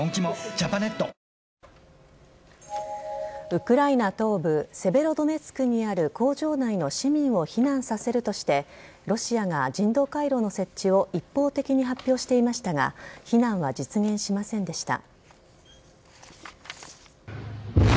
ウクライナ東部セベロドネツクにある工場内の市民を避難させるとしてロシアが人道回廊の設置を一方的に発表していましたが避難は実現しませんでした。